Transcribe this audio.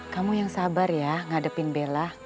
kamu yang sabar ya ngadepin bella